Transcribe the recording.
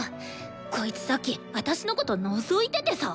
こいつさっき私のことのぞいててさ。